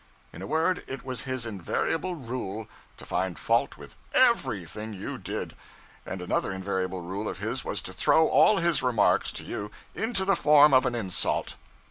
In a word, it was his invariable rule to find fault with _everything _you did; and another invariable rule of his was to throw all his remarks (to you) into the form of an insult.